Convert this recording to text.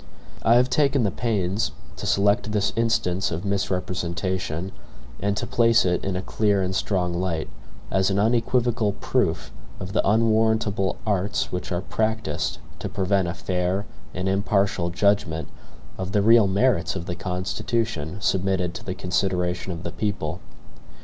I have taken the pains to select this instance of misrepresentation, and to place it in a clear and strong light, as an unequivocal proof of the unwarrantable arts which are practiced to prevent a fair and impartial judgment of the real merits of the Constitution submitted to the consideration of the people.